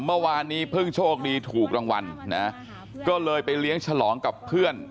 เมื่อวานนี้เพิ่งโชคดีถูกรางวัลนะก็เลยไปเลี้ยงฉลองกับเพื่อน